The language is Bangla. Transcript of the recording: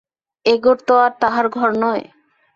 এ ঘর তো আর তাহার ঘর নয়।